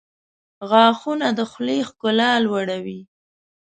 • غاښونه د خولې ښکلا لوړوي.